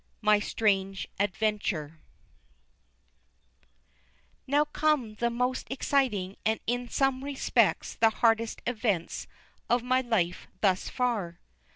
MY STRANGE ADVENTURE Now come the most exciting and in some respects the hardest events of my life thus far.